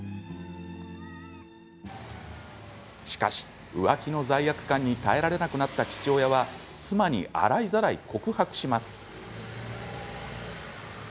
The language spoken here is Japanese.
しかし、浮気の罪悪感に耐えられなくなった父親は妻に洗いざらい告白します。